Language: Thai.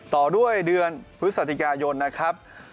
ต่อด้วยเดือนพฤศจิกายนนะครับ